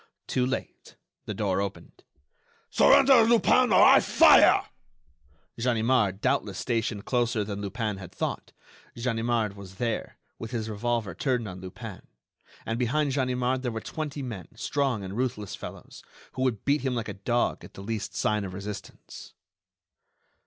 Too late! The door opened. "Surrender, Lupin, or I fire!" Ganimard, doubtless stationed closer than Lupin had thought, Ganimard was there, with his revolver turned on Lupin. And behind Ganimard there were twenty men, strong and ruthless fellows, who would beat him like a dog at the least sign of resistance.